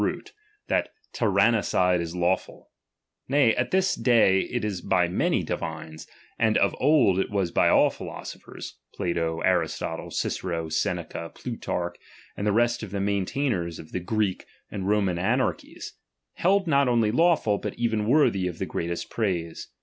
153 root, that tyrannicide is lawful; nay, at tbis chap. xii. day it is by many divines, and of old it was by all the That tj^anni philosophers, Plato, Aristotle, Cicero, Seneca, Pin i^weiai^jfui. tarch, and the rest of the maintainers of the Greek gpUiioii and Roman anarchies, held not only lawful, but even worthy of the greatest praise.